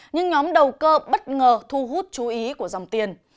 nhưng nhóm đầu cơ bất ngờ thu hút chú ý của dòng tiền